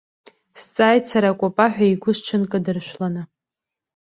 Сҵааит сара акәапаҳәа игәы сҽынкыдыршәланы.